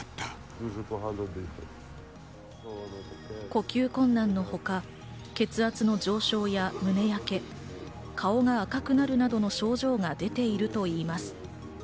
呼吸困難のほか、血圧の上昇や胸焼け、顔が赤くなるなどの症状が出ているといいます。